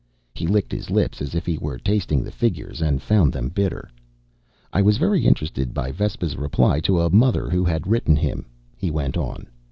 He licked his lips as if he were tasting the figures and found them bitter. "I was very interested by Vespa's reply to a mother who had written him," he went on.